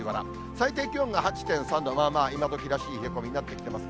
最低気温が８．３度、まあまあ今どきらしい冷え込みになってきてます。